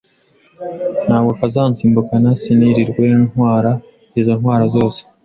ntabwo kazansimbukana, siniriwe ntwara izo ntwaro zose